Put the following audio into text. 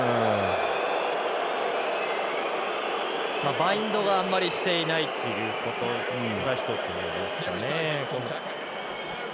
バインドがあんまりしていないということが一つですよね。